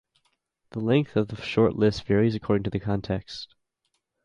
The length of short lists varies according to the context.